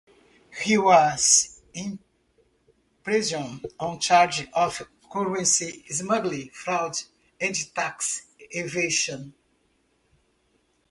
He was imprisoned on charges of currency smuggling, fraud and tax evasion.